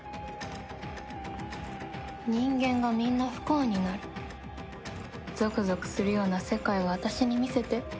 人間がみんな不幸になるゾクゾクするような世界を私に見せて。